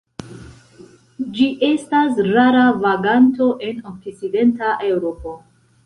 Ĝi estas rara vaganto en okcidenta Eŭropo.